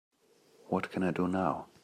what can I do now?